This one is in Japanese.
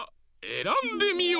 えらんでみよ！